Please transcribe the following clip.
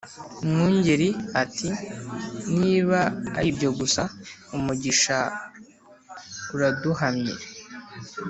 Mwungeli ati: "Niba ari ibyo gusa, umugisha uraduhamye